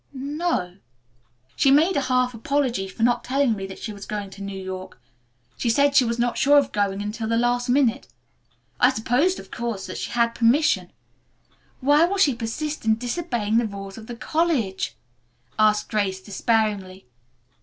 "No o. She made a half apology for not telling me that she was going to New York. She said she was not sure of going until the last minute. I supposed, of course, that she had permission. Why will she persist in disobeying the rules of the college?" asked Grace despairingly.